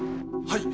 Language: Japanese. はい。